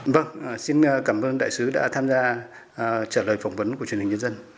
vâng xin cảm ơn đại sứ đã tham gia trả lời phỏng vấn của truyền hình nhân dân